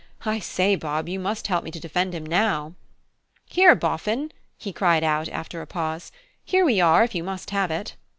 I say, Bob, you must help me to defend him now." "Here, Boffin," he cried out, after a pause; "here we are, if you must have it!"